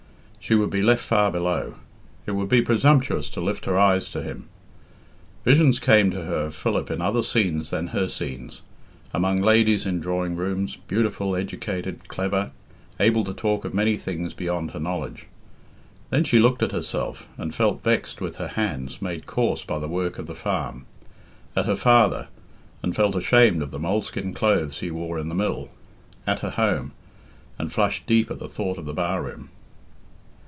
She would be left far below. It would be presumptuous to lift her eyes to him. Visions came to her of Philip in other scenes than her scenes, among ladies in drawing rooms, beautiful, educated, clever, able to talk of many things beyond her knowledge. Then she looked at herself, and felt vexed with her hands, made coarse by the work of the farm; at her father, and felt ashamed of the moleskin clothes he wore in the mill; at her home, and flushed deep at the thought of the bar room.